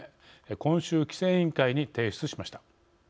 今週規制委員会に提出しました。